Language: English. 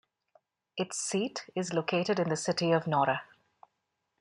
Its seat is located in the city of Nora.